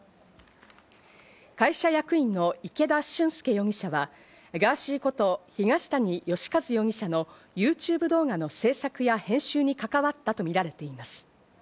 会社役員の池田俊輔容疑者は、ガーシーこと東谷義和容疑者のＹｏｕＴｕｂｅ動画の制作や編集に関わったとみられています。